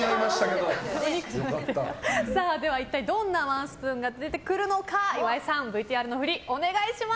では、一体どんなワンスプーンが出てくるのか岩井さん、ＶＴＲの振りお願いします。